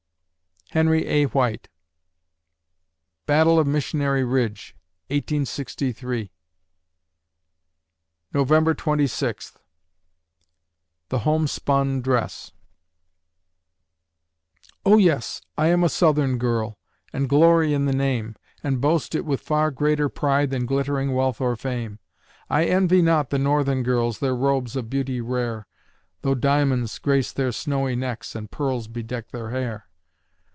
HENRY A. WHITE Battle of Missionary Ridge, 1863 November Twenty Sixth THE HOMESPUN DRESS Oh, yes! I am a Southern girl, And glory in the name, And boast it with far greater pride Than glittering wealth or fame. I envy not the Northern girls Their robes of beauty rare, Though diamonds grace their snowy necks And pearls bedeck their hair.